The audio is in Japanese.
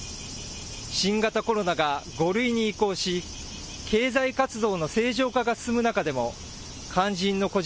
新型コロナが５類に移行し経済活動の正常化が進む中でも肝心の個人